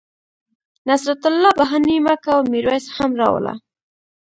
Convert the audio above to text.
نصرت الله بهاني مه کوه میرویس هم را وله